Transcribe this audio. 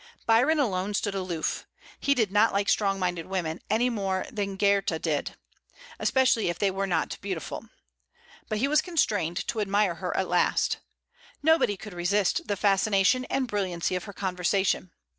Byron alone stood aloof; he did not like strong minded women, any more than Goethe did, especially if they were not beautiful. But he was constrained to admire her at last. Nobody could resist the fascination and brilliancy of her conversation.